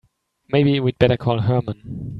Maybe we'd better call Herman.